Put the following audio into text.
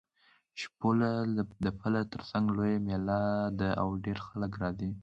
شپوله د پله تر څنګ لویه مېله ده او ډېر خلک راځي.